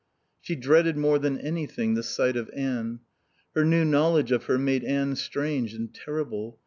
She dreaded more than anything the sight of Anne. Her new knowledge of her made Anne strange and terrible.